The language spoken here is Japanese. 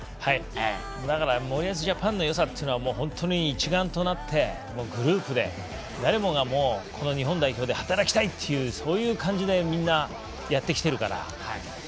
だから森保ジャパンのよさっていうのは本当に一丸となって誰もが日本代表で働きたいというそういう気持ちでみんな、やってきてるから。